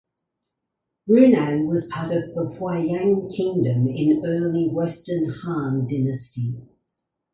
Runan was part of the Huaiyang Kingdom in early Western Han dynasty.